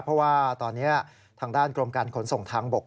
เพราะว่าตอนนี้ทางด้านกรมการขนส่งทางบก